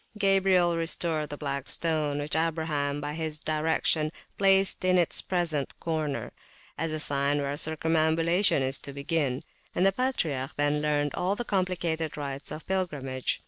Gabriel restored the Black Stone, which Abraham, by his direction, placed in its present corner, as a sign where circumambulation is to begin; and the patriarch then learned all the complicated rites of pilgrimage.